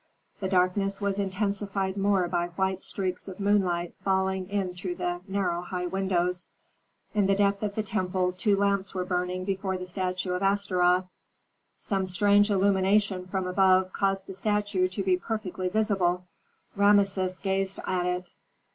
The darkness was intensified more by white streaks of moonlight falling in through narrow high windows. In the depth of the temple two lamps were burning before the statue of Astaroth. Some strange illumination from above caused the statue to be perfectly visible. Rameses gazed at it.